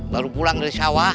baru pulang dari sawah